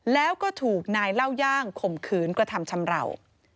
แล้วก็ถูกนายเล่าย่างข่มขืนกระทำชำราว